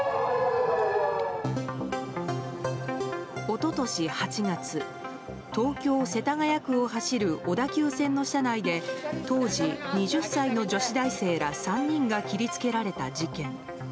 一昨年８月東京・世田谷区を走る小田急線の車内で当時２０歳の女子大生ら３人が切りつけられた事件。